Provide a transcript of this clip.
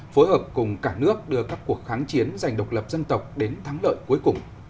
phối hợp cùng cả nước đưa các cuộc kháng chiến dành độc lập dân tộc đến thắng lợi cuối cùng